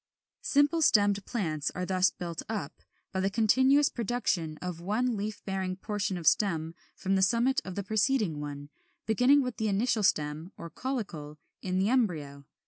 =Simple stemmed Plants= are thus built up, by the continuous production of one leaf bearing portion of stem from the summit of the preceding one, beginning with the initial stem (or caulicle) in the embryo.